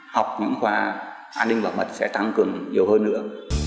học những khoa an ninh bảo mật sẽ tăng cường nhiều hơn nữa